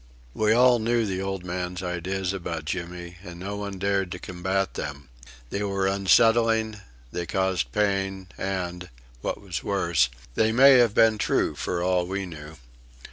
We all knew the old man's ideas about Jimmy, and nobody dared to combat them. They were unsettling, they caused pain; and, what was worse, they might have been true for all we knew.